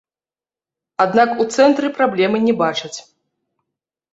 Аднак у цэнтры праблемы не бачаць.